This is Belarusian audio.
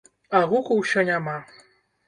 А гуку ўсё няма.